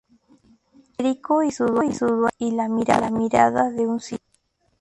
Federico y su Duende y La mirada de un Siglo.